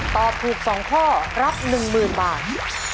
ตอบถูก๒ข้อรับ๑๐๐๐บาท